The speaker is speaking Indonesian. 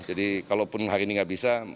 jadi kalaupun hari ini nggak bisa